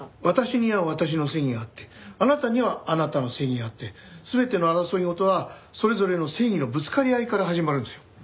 私には私の正義があってあなたにはあなたの正義があって全ての争い事はそれぞれの正義のぶつかり合いから始まるんですよ。